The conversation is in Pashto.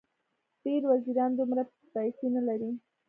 ډېر وزیران دومره پیسې نه لري.